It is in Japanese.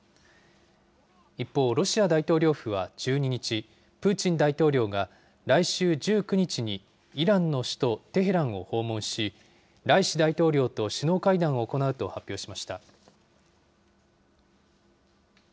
一方、ロシア大統領府は１２日、プーチン大統領が来週１９日にイランの首都テヘランを訪問し、ライシ大統領と首脳会談を行うと発表しました。